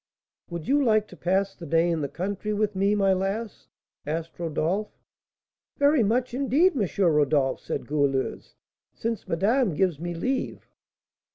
"Would you like to pass the day in the country with me, my lass?" asked Rodolph. "Very much, indeed, M. Rodolph," said Goualeuse, "since madame gives me leave."